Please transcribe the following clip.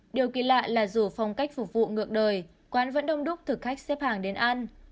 điều kỳ lạ là dù phong cách phục vụ ngược đời quán vẫn đông đúc thực khách xếp hàng đến ăn